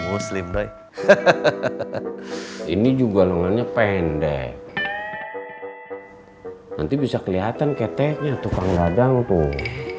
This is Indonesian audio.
muslim bro ini juga lenganya pendek nanti bisa kelihatan kayak tehnya tukang dadang tuh